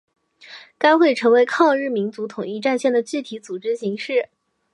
该会成为抗日民族统一战线的具体组织形式。